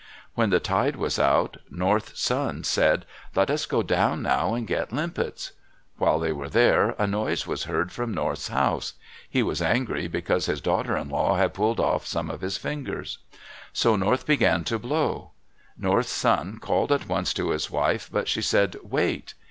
When the tide was out, North's son said, "Let us go down now and get limpets." While they were there, a noise was heard from North's house. He was angry because his daughter in law had pulled off some of his fingers. So North began to blow. North's son called at once to his wife, but she said, "Wait!"